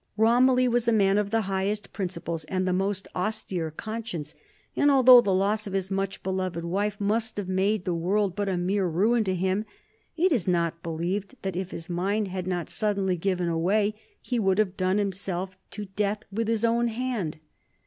Romilly was a man of the highest principles, and the most austere conscience, and although the loss of his much loved wife must have made the world but a mere ruin to him, it is not believed that, if his mind had not suddenly given away, he would have done himself to death with his own hand.